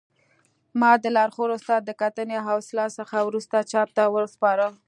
ما د لارښود استاد د کتنې او اصلاح څخه وروسته چاپ ته وسپاره